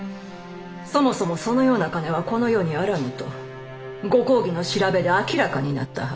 そもそもそのような金はこの世にあらぬとご公儀の調べで明らかになったはず。